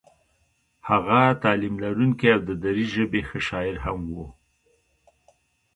هغه تعلیم لرونکی او د دري ژبې ښه شاعر هم و.